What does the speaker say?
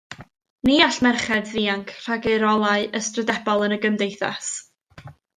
Ni all merched ddianc rhag eu rolau ystrydebol yn y gymdeithas.